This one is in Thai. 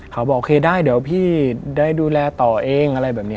โอเคได้เดี๋ยวพี่ได้ดูแลต่อเองอะไรแบบนี้